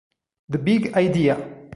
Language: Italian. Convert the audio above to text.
The Big Idea